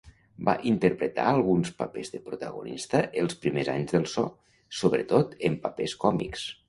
Va interpretar alguns papers de protagonista els primers anys del so, sobretot en papers còmics.